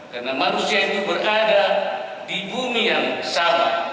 karena manusia itu berada di bumi yang sama